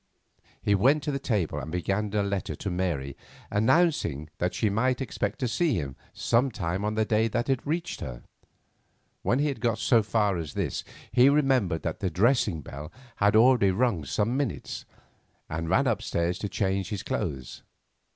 He went to the table and began a letter to Mary announcing that she might expect to see him sometime on the day that it reached her. When he had got so far as this he remembered that the dressing bell had already rung some minutes, and ran upstairs to change his clothes.